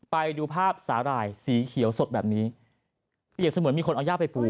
ไปดูภาพสาหร่ายสีเขียวสดแบบนี้เปรียบเสมือนมีคนเอาย่าไปปู